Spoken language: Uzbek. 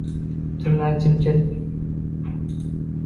Tunlar jimjit